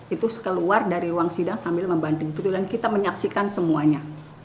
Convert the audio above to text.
itu keluar dari ruang sidang sambil membantu betul dan kita menyaksikan semuanya